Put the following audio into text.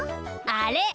あれ。